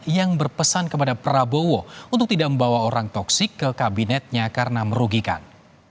yang berpesan kepada prabowo untuk tidak membawa orang toksik ke kabinetnya karena merugikan